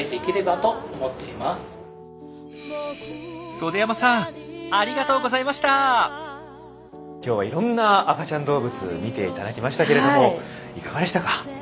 袖山さん今日はいろんな赤ちゃん動物を見ていただきましたけれどもいかがでしたか？